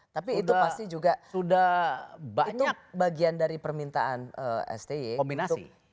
tapi itu pasti juga sudah itu bagian dari permintaan sti untuk